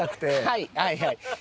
はいはいはい。